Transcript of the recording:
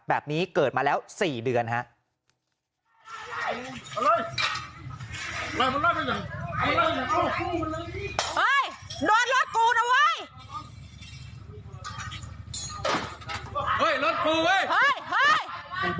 แบบนี้เกิดมาแล้ว๔เดือนครับ